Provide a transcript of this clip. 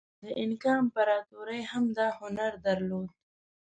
د اینکا امپراتورۍ هم دا هنر درلود.